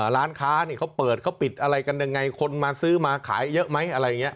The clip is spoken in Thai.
ร้านค้านี่เขาเปิดเขาปิดอะไรกันยังไงคนมาซื้อมาขายเยอะไหมอะไรอย่างนี้